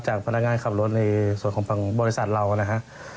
จากพนักงานขับรถในส่วนของบริษัทเรานะครับ